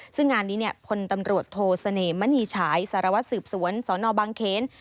ซึ่งงานนี้เนี่ยคนตำรวจโทสเนมมะนี่ฉายสารวสืบสวนสอนอบังเครน